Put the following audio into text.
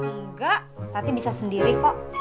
enggak tapi bisa sendiri kok